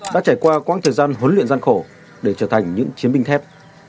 đã trải qua quãng thời gian huấn luyện gian khổ để trở thành những chiến binh thép